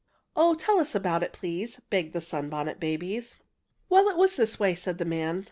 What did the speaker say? "Oh, tell us about it, please!" begged the Sunbonnet Babies. "Well, it was this way," said the man.